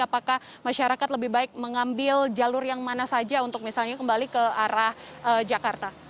apakah masyarakat lebih baik mengambil jalur yang mana saja untuk misalnya kembali ke arah jakarta